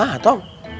salah kumaha tom